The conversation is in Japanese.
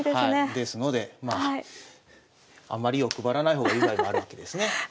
ですのであんまり欲張らない方がいい場合もあるわけですね。